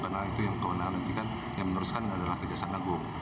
karena itu yang kewenangan nanti kan yang meneruskan adalah kejaksaan agung